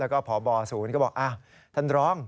แล้วก็พบศูนย์ก็บอกท่านรอง